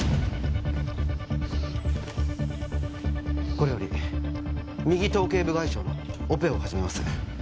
これより右頭頸部外傷のオペを始めます